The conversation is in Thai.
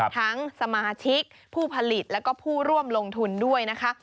ทั้งสมาชิกผู้ผลิตแล้วก็ผู้ร่วมลงทุนด้วยนะคะ